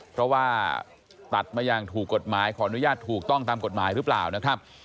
เพราะว่าตัดมาอย่างถูกกฎหมายขออนุญาตถูกต้องตามกฎหมายหรือเปล่านะครับ